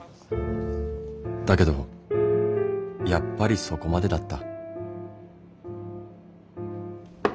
だけどやっぱりそこまでだった。